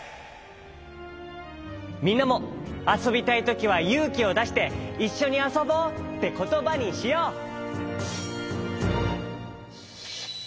みんなもあそびたいときはゆうきをだして「いっしょにあそぼう」ってことばにしよう。